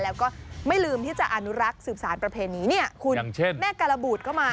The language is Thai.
แล้วก็ไม่ลืมที่จะอนุรักษ์สืบสารประเพณีเนี่ยคุณแม่การบูดก็มา